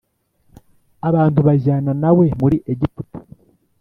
Abantu bajyana na we muri Egiputa